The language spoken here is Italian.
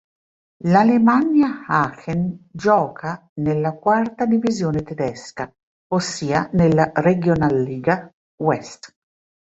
L'Alemannia Aachen gioca nella quarta divisione tedesca, ossia nella Regionalliga West.